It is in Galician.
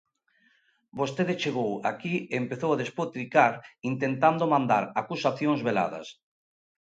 Vostede chegou aquí e empezou a despotricar intentando mandar acusacións veladas.